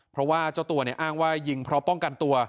เพราะว่าเจ้าตัวอ้างว่ายิงเพราะป้องกันตัว